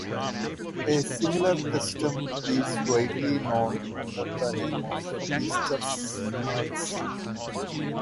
A similar custom is widely known under the name of "Easter Smacks".